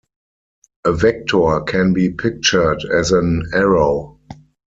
A vector can be pictured as an arrow.